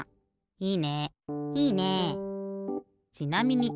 いいね。